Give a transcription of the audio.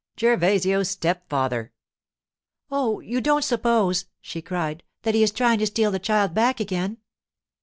'Gervasio's stepfather.' 'Oh, you don't suppose,' she cried, 'that he is trying to steal the child back again?